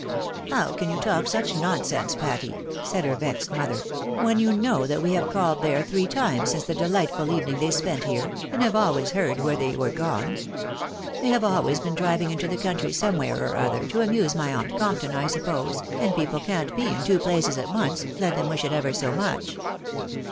" How can you talk such nonsense, Patty,'' said her vexed mother, " when you know that we have called there three times since the delightful evening they spent here, and have always heard where they were gone. They have always been driving into the country somewhere or other, to amuse my aunt Comp ton, I suppose, and people can't be in two places at once, let them wish it ever so much."